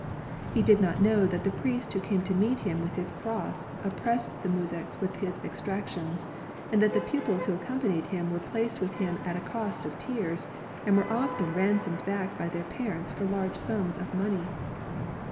He did not know that the priest who came to meet him with his cross oppressed the muzhiks with his exactions, and that the pupils who accompanied him were placed with him at the cost of tears, and were often ran somed back by their parents for large sums of money.